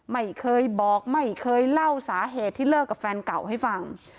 ไม่เคยบอกไม่เคยเล่าสาเหตุที่เลิกกับแฟนเก่าให้ฟัง